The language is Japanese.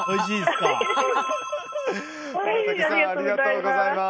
ありがとうございます！